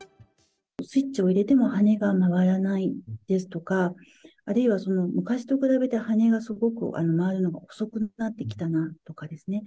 スイッチを入れても、羽根が回らないですとか、あるいは昔と比べて羽根がすごく回るのが遅くなってきたなとかですね。